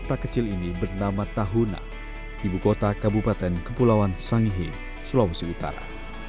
kota kecil ini bernama tahuna ibu kota kabupaten kepulauan sangihe sulawesi utara